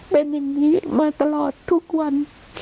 เป็นอย่างนี้มาตลอดทุกวัน